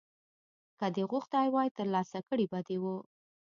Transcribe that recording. که دې غوښتي وای ترلاسه کړي به دې وو